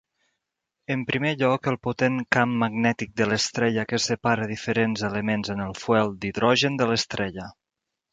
En primer lloc, el potent camp magnètic de l'estrella que separa diferents elements en el "fuel" d'hidrogen de l'estrella.